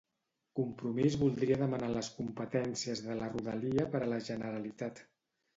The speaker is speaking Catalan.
Compromís voldria demanar les competències de la Rodalia per a la Generalitat.